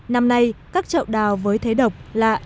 năm nay các chậu đào với thế độc lạ